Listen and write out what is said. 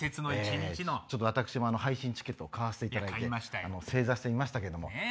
ちょっと私も配信チケット買わせていただいて正座して見ましたけども。